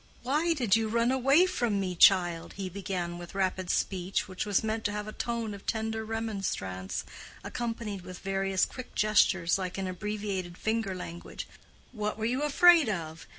"Why did you run away from me, child?" he began with rapid speech which was meant to have a tone of tender remonstrance, accompanied with various quick gestures like an abbreviated finger language. "What were you afraid of?